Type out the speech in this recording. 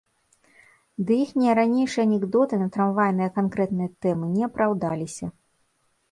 Ды іхнія ранейшыя анекдоты на трамвайныя канкрэтныя тэмы не апраўдаліся.